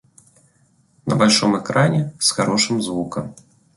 На большом экране, с хорошим звуком.